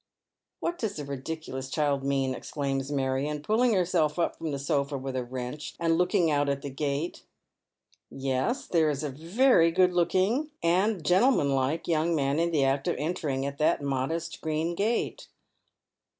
" What does the ridiculous child mean ?" exclaims Marion, pulling herself up from the sofa with a wrench, and looking out at the gate. Yes, there is a very good looking and gentleman like young tuan in the act of entering at that modest green gate.